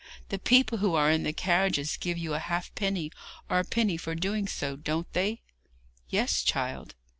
The people who are in the carriages give you a halfpenny or a penny for doing so, don't they?' 'Yes, child.'